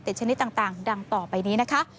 ชนิดต่างดังต่อไปนี้นะคะ